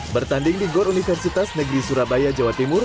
bertanding di gor universitas negeri surabaya jawa timur